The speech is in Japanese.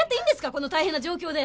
この大変な状況で。